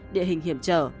địa hình hiểm trở